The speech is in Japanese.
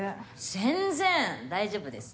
全然大丈夫です。